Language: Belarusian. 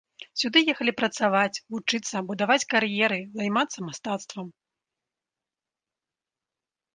Сюды ехалі працаваць, вучыцца, будаваць кар'еры, займацца мастацтвам.